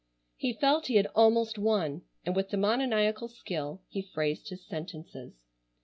He felt he had almost won, and with demoniacal skill he phrased his sentences.